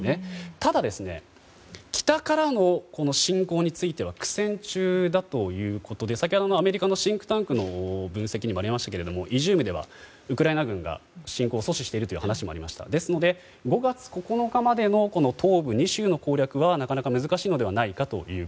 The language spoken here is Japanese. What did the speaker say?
ただ、北からの侵攻については苦戦中だということで先ほどのアメリカのシンクタンクの分析にもありましたけれどもイジュームではウクライナ軍が侵攻を阻止しているという話もありましたので５月９日までの東部２州の攻略は難しいのではないかと。